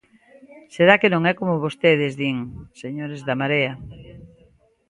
Será que non é como vostedes din, señores da Marea.